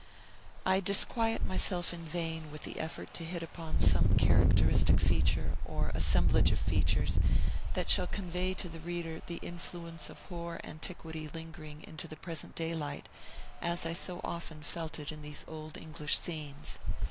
I disquiet myself in vain with the effort to hit upon some characteristic feature, or assemblage of features, that shall convey to the reader the influence of hoar antiquity lingering into the present daylight, as I so often felt it in these old English scenes.